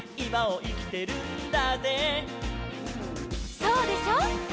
「そうでしょ？」